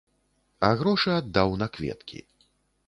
А грошы аддаў на кветкі.